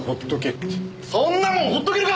そんなもん放っておけるか！